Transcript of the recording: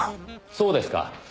そうですか。